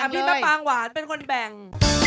พี่มะปางหวานเป็นคนแบ่ง